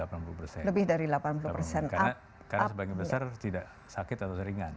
karena sebagian besar tidak sakit atau seringan